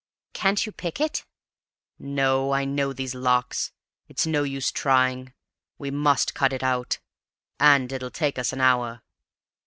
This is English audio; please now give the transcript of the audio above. "Can't you pick it?" "No: I know these locks. It's no use trying. We must cut it out, and it'll take us an hour."